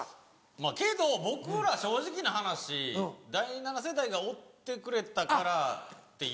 まぁけど僕ら正直な話第７世代がおってくれたからっていう。